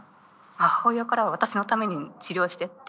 母親からは私のために治療してって。